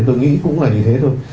tôi nghĩ cũng là như thế thôi